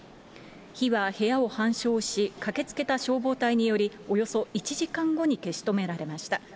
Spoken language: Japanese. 火は部屋を半焼し、駆けつけた消防隊により、およそ１時間後に消し止められました。